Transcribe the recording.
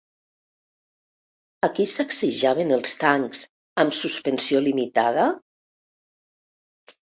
A qui sacsejaven els tancs amb suspensió limitada?